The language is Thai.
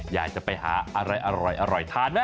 อยากจะไปหาอะไรอร่อยทานนะ